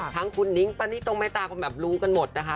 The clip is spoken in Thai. ทั้งคุณนิ้งป้านิตงแม่ตาก็แบบรู้กันหมดนะคะ